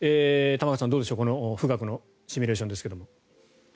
玉川さん、どうでしょう富岳のシミュレーションですが。